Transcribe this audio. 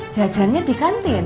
ja jan nya di kantin